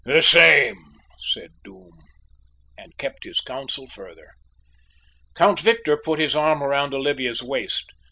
"The same," said Doom, and kept his counsel further. Count Victor put his arm round Olivia's waist.